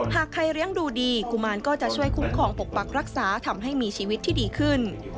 หากใครเลี้ยงดูดีกุมารก็จะช่วยคุ้มครองปกปักรักษาทำให้มีชีวิตที่ดีขึ้น